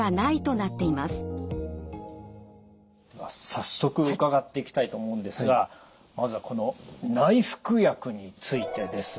早速伺っていきたいと思うんですがまずはこの内服薬についてです。